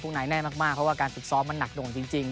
พวกนั้นแน่มากเพราะว่าการศึกซ้อมมันหนักโด่งจริง